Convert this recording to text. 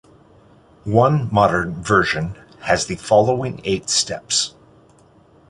One modern version has the following eight steps.